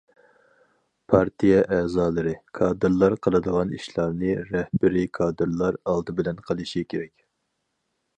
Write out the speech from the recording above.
پارتىيە ئەزالىرى، كادىرلار قىلىدىغان ئىشلارنى رەھبىرىي كادىرلار ئالدى بىلەن قىلىشى كېرەك.